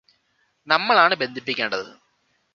നമ്മളാണ് ബന്ധിപ്പിക്കേണ്ടത്